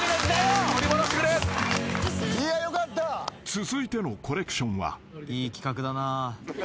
［続いてのコレクションは］